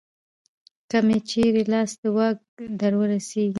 که مې چېرې لاس د واک درورسېږي